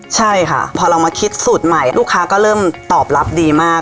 ใช่ค่ะพอเรามาคิดสูตรใหม่ลูกค้าก็เริ่มตอบรับดีมาก